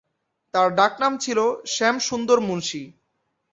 তার ডাকনাম ছিল শ্যামসুন্দর মুন্সী।